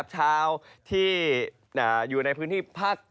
ชาวที่อยู่ในพื้นที่พักต้อนออก